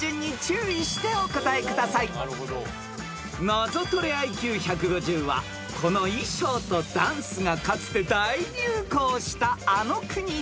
［ナゾトレＩＱ１５０はこの衣装とダンスがかつて大流行したあの国です］